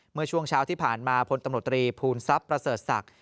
เมื่อช่วงเช้าที่ผ่านมาพลตำรวจตรีภูมิทรัพย์ประเสริฐศักดิ์